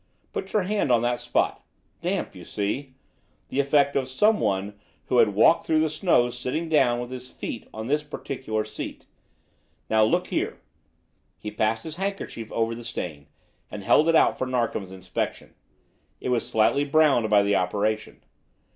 Put your hand on the spot. Damp, you see; the effect of some one who had walked through the snow sitting down with his feet on this particular seat. Now look here." He passed his handkerchief over the stain, and held it out for Narkom's inspection. It was slightly browned by the operation.